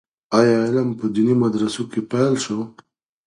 آيا علم په ديني مدرسو کي پيل سو؟